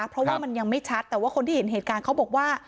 เพราะว่ามันยังไม่ชัดแต่ว่าคนที่เห็นเหตุการณ์เขาบอกว่า